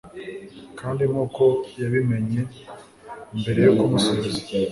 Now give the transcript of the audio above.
Kandi nkuko yabimenye mbere yo kumusubiza